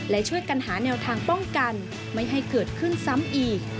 และช่วยกันหาแนวทางป้องกันไม่ให้เกิดขึ้นซ้ำอีก